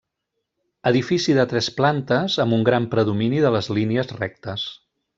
Edifici de tres plantes amb un gran predomini de les línies rectes.